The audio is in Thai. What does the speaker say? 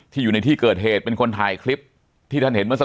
อยู่ในที่เกิดเหตุเป็นคนถ่ายคลิปที่ท่านเห็นเมื่อสัก